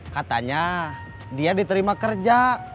katanya dia diterima kerja